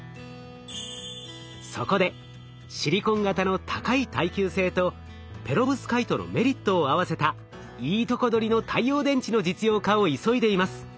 そこでシリコン型の高い耐久性とペロブスカイトのメリットを合わせたいいとこ取りの太陽電池の実用化を急いでいます。